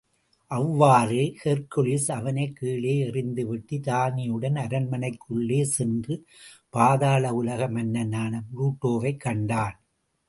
அவ்வாறே ஹெர்க்குலிஸ் அவனைக் கீழே எறிந்துவிட்டு, இராணியுடன் அரண்மனைக்குள்ளே சென்று, பாதாள உலக மன்னனான புளுட்டோவைக் கண்டான்.